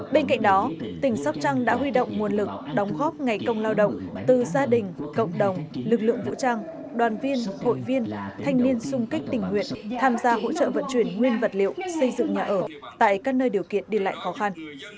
bên cạnh đó tỉnh sóc trăng đã huy động nguồn lực đóng góp ngày công lao động từ gia đình cộng đồng lực lượng vũ trang đoàn viên hội viên thanh niên sung kích tình nguyện tham gia hỗ trợ vận chuyển nguyên vật liệu xây dựng nhà ở tại các nơi điều kiện đi lại khó khăn